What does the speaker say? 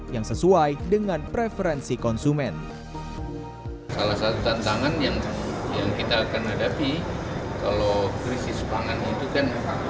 yang sesuai dengan kemampuan pertanian